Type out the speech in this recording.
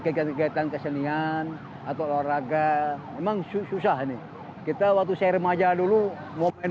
kegiatan kegiatan kesenian atau olahraga memang susah nih kita waktu saya remaja dulu momen